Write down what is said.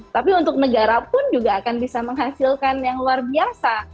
tapi untuk negara pun juga akan bisa menghasilkan yang luar biasa